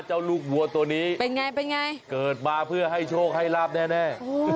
เจ้าลูกวัวตัวนี้เกิดมาเพื่อให้โชคให้รับแน่